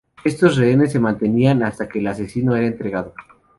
Estos rehenes se mantenían hasta que el asesino era entregado.